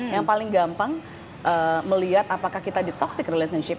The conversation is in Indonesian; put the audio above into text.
yang paling gampang melihat apakah kita di toxic relationship